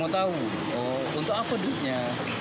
mau tahu untuk apa duitnya